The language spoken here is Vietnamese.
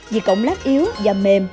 vì cọng lát yếu và mềm